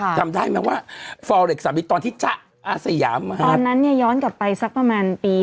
ค่ะจำได้ไหมว่าตอนที่อาสยามตอนนั้นเนี้ยย้อนกลับไปสักประมาณปี